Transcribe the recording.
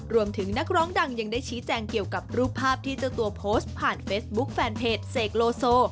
นักร้องดังยังได้ชี้แจงเกี่ยวกับรูปภาพที่เจ้าตัวโพสต์ผ่านเฟซบุ๊คแฟนเพจเสกโลโซ